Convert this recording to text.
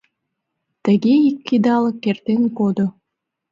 Тыге ик идалык эртен кодо.